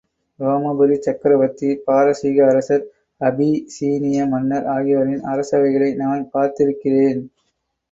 ரோமாபுரிச் சக்கரவர்த்தி, பாரசீக அரசர், அபீசீனிய மன்னர் ஆகியோரின் அரசவைகளை நான் பார்த்திருக்கிறேன்.